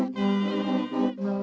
pertama suara dari biasusu